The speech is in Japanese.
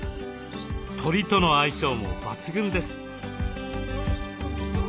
鳥との相性も抜群です。